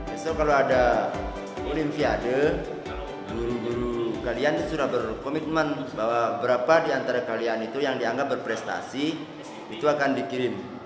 besok kalau ada olimpiade guru guru kalian sudah berkomitmen bahwa berapa di antara kalian itu yang dianggap berprestasi itu akan dikirim